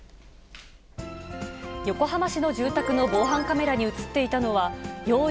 横浜市の住宅の防犯カメラに写っていたのは用意